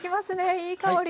いい香り。